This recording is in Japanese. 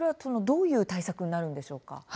どういう対策になるんでしょうか。